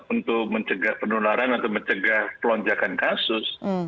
untuk mencegah penularan atau mencegah pelonjakan kasus